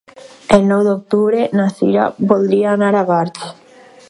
El nou d'octubre na Sira voldria anar a Barx.